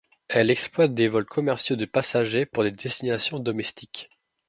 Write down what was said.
Elle exploite des vols commerciaux de passagers pour des destinations domestiques.